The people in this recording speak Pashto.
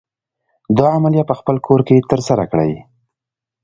دا عملیه په خپل کور کې تر سره کړئ.